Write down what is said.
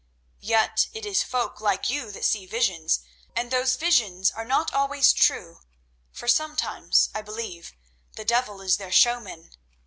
Yet it is folk like you that see visions, and those visions are not always true, for sometimes, I believe, the devil is their showman.